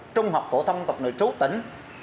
trung học phổ thông tộc nội trú tỉnh